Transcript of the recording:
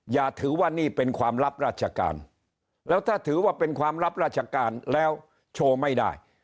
อย่าถือว่านี่เป็นความลับราชการแล้วถ้าถือว่าเป็นความลับราชการแล้วโชว์ไม่ได้